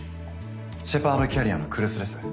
シェパードキャリアの来栖です。